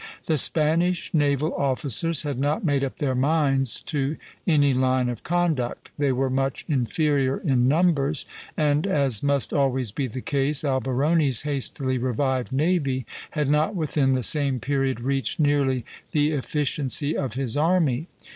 The Spanish naval officers had not made up their minds to any line of conduct; they were much inferior in numbers, and, as must always be the case, Alberoni's hastily revived navy had not within the same period reached nearly the efficiency of his army.